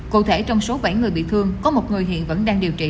cụ thể trong số bảy người bị thương có một người hiện vẫn đang điều trị